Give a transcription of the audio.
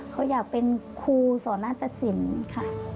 เขาอยากเป็นครูสอนนาตสินค่ะ